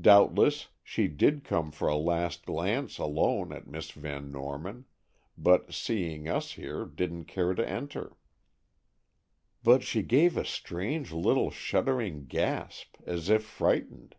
Doubtless, she did come for a last glance alone at Miss Van Norman, but, seeing us here, didn't care to enter." "But she gave a strange little shuddering gasp, as if frightened."